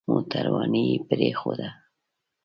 موټرواني يې پرېښوده.